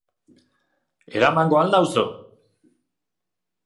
Eramango al nauzu?